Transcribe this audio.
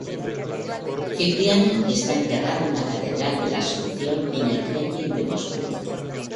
Cipriano está enterrado en la Catedral de la Asunción en el Kremlin de Moscú.